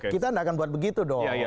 kita tidak akan buat begitu dong